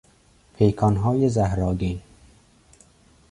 پیکانهای زهرآگین